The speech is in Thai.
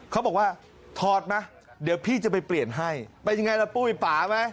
เขาบอกว่าถอดไหมเดี๋ยวพี่จะไปเปลี่ยนให้เป็นยังไงล่ะปุ้ยป่าไหม